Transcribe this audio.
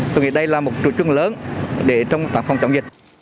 tôi nghĩ đây là một chủ trương lớn để trong tảng phòng chống nhiệt